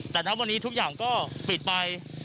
แต่ณวันนี้ทุกอย่างก็ปิดไป